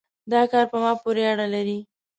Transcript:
دا کار په ما پورې اړه لري